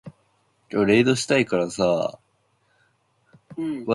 DeFries would also go on to produce the album as well.